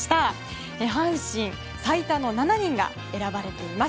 阪神、最多の７人が選ばれています。